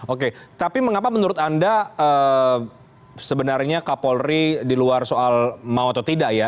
oke tapi mengapa menurut anda sebenarnya kapolri di luar soal mau atau tidak ya